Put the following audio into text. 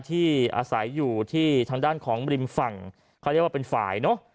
ที่อาศัยอยู่ที่ทางด้านของริมฝั่งเขาเรียกว่าเป็นฝ่ายเนอะ